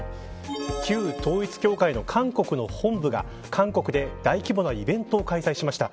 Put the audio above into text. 旧統一教会の韓国の本部が韓国で大規模なイベントを開催しました。